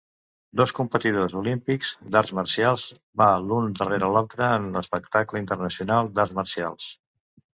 Dos competidors olímpics d'arts marcials van l'un darrere l'altre en un espectacle internacional d'arts marcials.